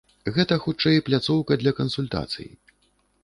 Гэта хутчэй пляцоўка для кансультацый.